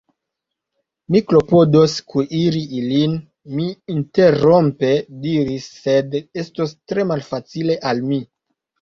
Mi klopodos kuiri ilin, mi interrompe diris, sed estos tre malfacile al mi.